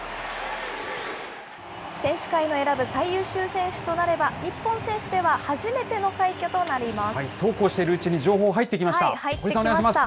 選手会の選ぶ最優秀選手となれば、日本選手では初めての快挙となりそうこうしているうちに、情入ってきました。